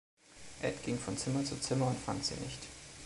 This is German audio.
Ed ging von Zimmer zu Zimmer und fand sie nicht.